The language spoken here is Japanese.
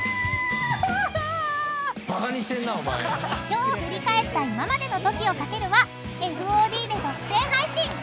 ［今日振り返った今までの『ＴＯＫＩＯカケル』はＦＯＤで独占配信。